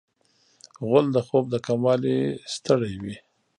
غول د خوب د کموالي ستړی وي.